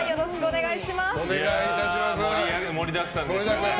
盛りだくさんでしたね。